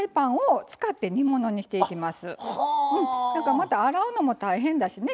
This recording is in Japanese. また洗うのも大変だしね。